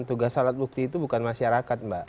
tugas alat bukti itu bukan masyarakat mbak